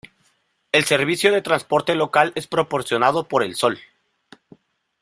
El servicio de transporte local es proporcionado por El Sol.